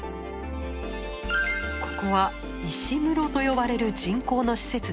ここは「石室」と呼ばれる人工の施設です。